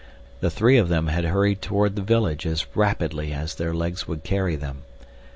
The three of them had hurried toward the village as rapidly as their legs would carry them.